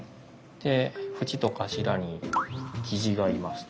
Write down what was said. で縁と頭にキジがいますと。